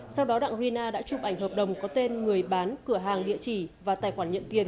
sau đó đặng rina đã chụp ảnh hợp đồng có tên người bán cửa hàng địa chỉ và tài khoản nhận tiền